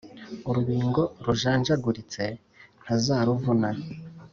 Urubingo rujanjaguritse ntazaruvuna